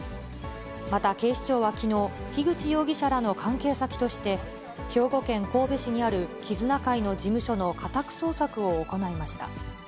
また、警視庁はきのう、樋口容疑者らの関係先として、兵庫県神戸市にある絆会の事務所の家宅捜索を行いました。